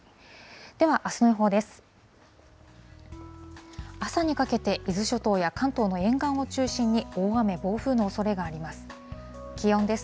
ではあすの予報です。